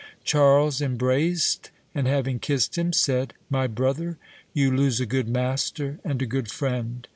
Charles embraced, and having kissed him, said, 'My brother, you lose a good master and a good friend.